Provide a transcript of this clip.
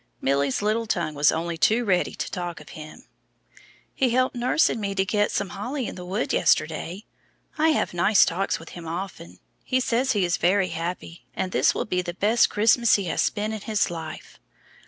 Milly's little tongue was only too ready to talk of him. "He helped nurse and me to get some holly in the wood yesterday. I have nice talks with him often. He says he is very happy, and this will be the best Christmas he has spent in his life.